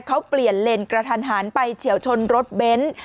เขาเปลี่ยนเลนกระทันหันไปเฉียวชนรถเบนท์